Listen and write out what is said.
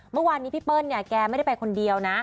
เมื่อวานนี้พี่เปิ้ลเนี่ยแกไม่ได้ไปคนเดียวนะ